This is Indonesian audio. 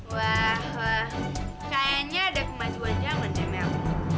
wah kayaknya ada kemajuan jalan ya mel